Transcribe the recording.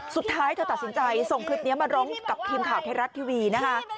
สุดท้ายเธอตัดสินใจส่งคลิปนี้มาร้องกับทีมข่าวไทยรัฐทีวีนะคะ